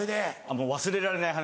もう忘れられない話。